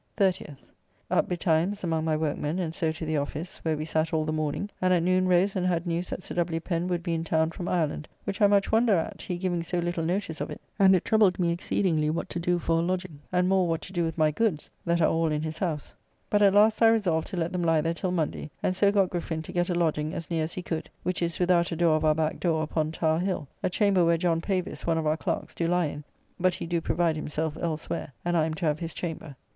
30th. Up betimes among my workmen, and so to the office, where we sat all the morning, and at noon rose and had news that Sir W. Pen would be in town from Ireland, which I much wonder at, he giving so little notice of it, and it troubled me exceedingly what to do for a lodging, and more what to do with my goods, that are all in his house; but at last I resolved to let them lie there till Monday, and so got Griffin to get a lodging as near as he could, which is without a door of our back door upon Tower Hill, a chamber where John Pavis, one of our clerks, do lie in, but he do provide himself elsewhere, and I am to have his chamber.